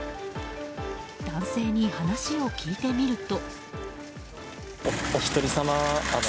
男性に話を聞いてみると。